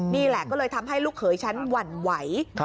นี่แหละก็เลยทำให้ลูกเขยฉันหวั่นไหว